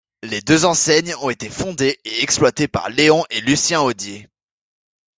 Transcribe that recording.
Les deux enseignes ont été fondées et exploitées par Léon et Lucien Odier.